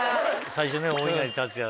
最初ね。